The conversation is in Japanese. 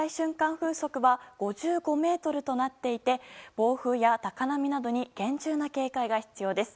風速は５５メートルとなっていて暴風や高波などに厳重な警戒が必要です。